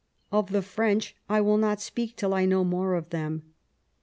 Of the French I will not speak till I know more of them.